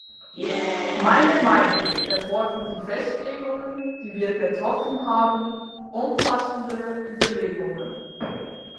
Meiner Meinung erfordern die Festlegungen, die wir getroffen haben, umfassendere Überlegungen.